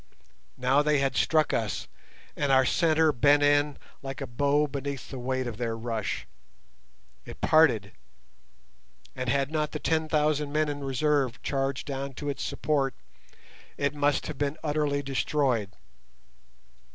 Now they had struck us, and our centre bent in like a bow beneath the weight of their rush—it parted, and had not the ten thousand men in reserve charged down to its support it must have been utterly destroyed.